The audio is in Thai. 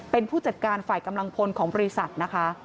เป็นผู้จัดการฝ่ายกำลังพลของบริษัทนะคะ